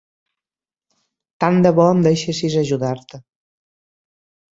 Tant de bo em deixessis ajudar-te.